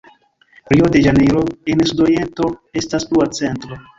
Rio-de-Ĵanejro en la sudoriento estas plua centro.